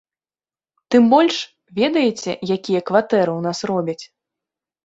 Тым больш, ведаеце, якія кватэры ў нас робяць?